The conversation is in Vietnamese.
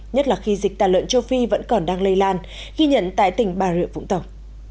nhất là khi dịch tà lợn châu phi vẫn còn đang lây lan ghi nhận tại tỉnh bà rịa vũng tàu